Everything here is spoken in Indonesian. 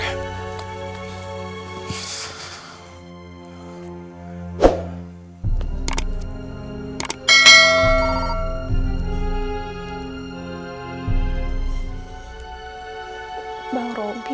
selamat mengalami kamu